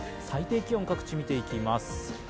最低気温、各地見ていきます。